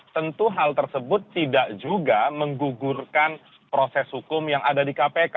tentu hal tersebut tidak juga menggugurkan proses hukum yang ada di kpk